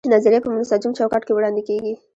نظریه په منسجم چوکاټ کې وړاندې کیږي.